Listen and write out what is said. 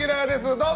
どうぞ。